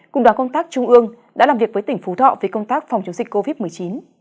cùng đoàn công tác trung ương đã làm việc với tỉnh phú thọ về công tác phòng chống dịch covid một mươi chín